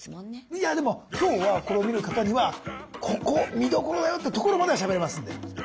いやでも今日はこれを見る方にはここ見どころだよってところまではしゃべれますんで。